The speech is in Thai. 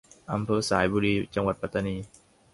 อำเภอสายบุรี จังหวัดปัตตานี